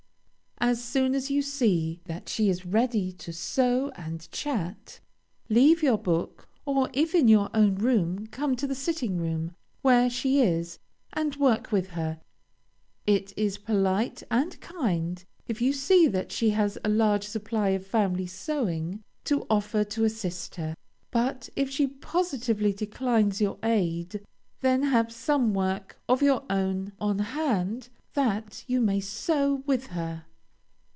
As soon as you see that she is ready to sew and chat, leave your book, or, if in your own room, come to the sitting room, where she is, and work with her. It is polite and kind, if you see that she has a large supply of family sewing, to offer to assist her, but if she positively declines your aid, then have some work of your own on hand, that you may sew with her.